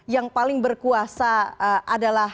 yang paling berkuasa adalah